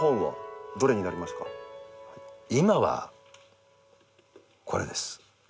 今はこれです。